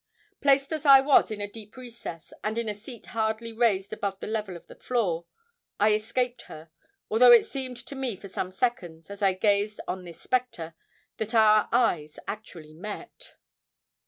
Placed as I was in a deep recess, and in a seat hardly raised above the level of the floor, I escaped her, although it seemed to me for some seconds, as I gazed on this spectre, that our eyes actually met.